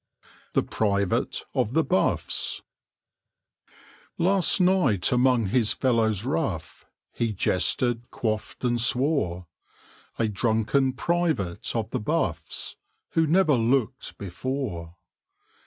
THE PRIVATE OF THE BUFFS Last night among his fellows rough He jested, quaffed, and swore: A drunken private of the Buffs, Who never looked before.